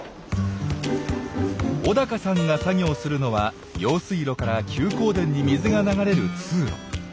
尾さんが作業するのは用水路から休耕田に水が流れる通路。